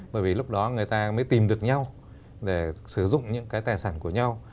bởi vì lúc đó người ta mới tìm được nhau để sử dụng những cái tài sản của nhau